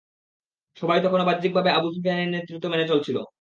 সবাই তখনও বাহ্যিকভাবে আবু সুফিয়ানের নেতৃত্ব মেনে চলছিল।